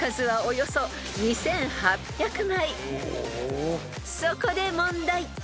［そこで問題］